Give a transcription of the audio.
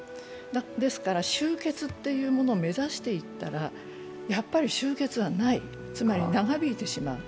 ですから終結というものを目指していったらやっぱり終結はない、つまり、長引いてしまう。